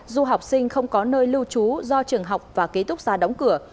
du học sinh không có nơi lưu trú do trường học và kế túc xa đóng cửa